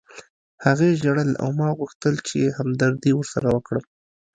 هغې ژړل او ما غوښتل چې همدردي ورسره وکړم